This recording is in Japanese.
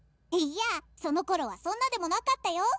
「いやそのころはそんなでもなかったよ？」。